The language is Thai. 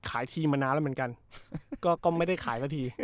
ขายทีมมานานแล้วเหมือนกันก็ไม่ได้ขายสักที